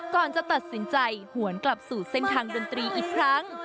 ก่อนจะตัดสินใจหวนกลับสู่เส้นทางดนตรีอีกครั้ง